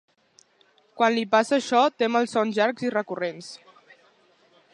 Quan li passa això té malsons llargs i recurrents.